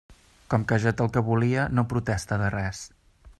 Com que ja té el que volia, no protesta de res.